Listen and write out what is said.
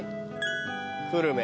久留米。